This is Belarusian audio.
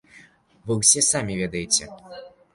Вы ўсе самі ведаеце.